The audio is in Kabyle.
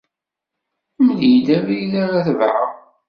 Mel-iyi abrid ara tebɛeɣ.